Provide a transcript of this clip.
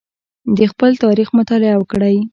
د خپل تاریخ مطالعه وکړئ.